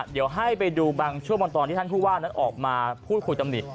เดี๋ยวให้ไปดูบางช่วงบางตอนที่ท่านผู้ว่านั้นออกมาพูดคุยตำหนิ